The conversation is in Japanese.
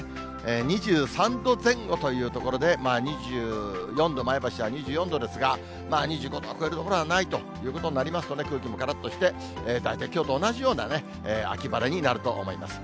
２３度前後というところで、２４度、前橋は２４度ですが、２５度を超える所はないということになりますとね、空気もからっとして、大体きょうと同じような秋晴れになると思います。